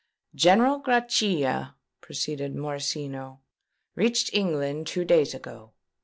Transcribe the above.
"General Grachia," proceeded Morosino, "reached England two days ago.